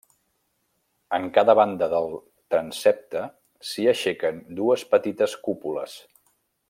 En cada banda del transsepte s'hi aixequen dues petites cúpules.